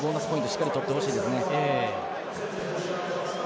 しっかり取ってほしいですね。